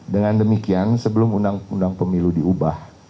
dengan demikian sebelum undang undang pemilu diubah